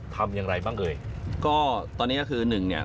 ทำอย่างไรบ้างเอ่ยก็ตอนนี้ก็คือหนึ่งเนี่ย